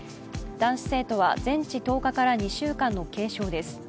男子生徒は全治１０日から２週間の軽傷です。